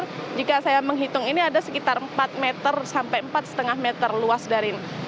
karena jika saya menghitung ini ada sekitar empat meter sampai empat lima meter luas dari ini